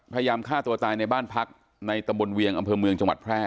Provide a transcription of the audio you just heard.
พยายามฆ่าตัวตายในบ้านพักในตำบลเวียงอำเภอเมืองจังหวัดแพร่